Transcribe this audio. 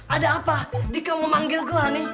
ada apa dika mau manggil gue hani